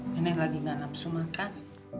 nenek lagi gak nafsu makan